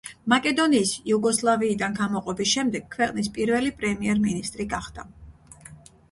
მაკედონიის იუგოსლავიიდან გამოყოფის შემდეგ ქვეყნის პირველი პრემიერ-მინისტრი გახდა.